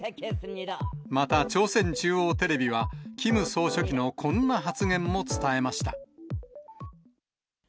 また、朝鮮中央テレビは、キム総書記のこんな発言も伝えました。